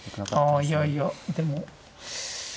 あいやいやでも。